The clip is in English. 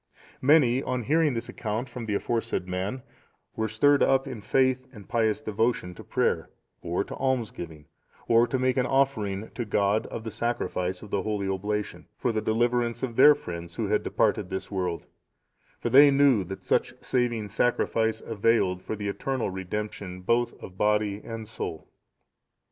Many, on hearing this account from the aforesaid man, were stirred up in faith and pious devotion to prayer, or to alms giving, or to make an offering to God of the Sacrifice of the holy Oblation, for the deliverance of their friends who had departed this world; for they knew that such saving Sacrifice availed for the eternal redemption both of body and soul.